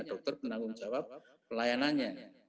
dokter penanggung jawab pelayanannya